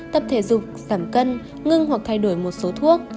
tập thể dục giảm cân ngưng hoặc thay đổi một số thuốc